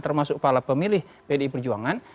termasuk para pemilih pdi perjuangan